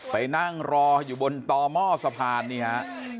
ไปนั่งรออยู่บนต่อหม้อสะพานนี่ฮะ